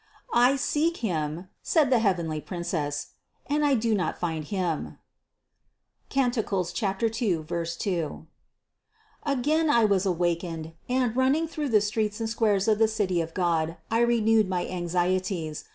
"I seek Him," said the heavenly Princess, "and I do not find Him (Cant. 2, 2) ; again I was awakened and, running through the streets and squares of the city of God, I renewed my anxieties.